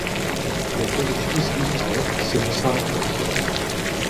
Jako většinu svých alb si ho sám produkoval.